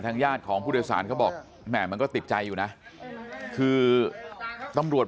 ญาติของผู้โดยสารเขาบอกแหม่มันก็ติดใจอยู่นะคือตำรวจ